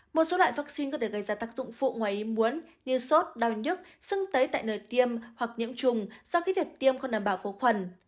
một số loại vắc xin có thể gây ra tác dụng phụ ngoài ý muốn như sốt đau nhức sưng tấy tại nơi tiêm hoặc nhiễm trùng do khi được tiêm không đảm bảo vô khuẩn